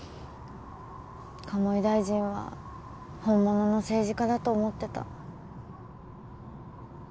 鴨井大臣は本物の政治家だと思ってた。